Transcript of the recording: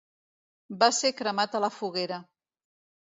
Va ser cremat a la foguera.